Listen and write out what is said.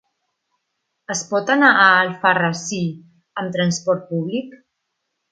Es pot anar a Alfarrasí amb transport públic?